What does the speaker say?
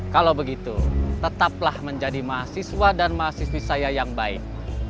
kalau begitu tetaplah menjadi mahasiswa dan mahasiswi saya yang baik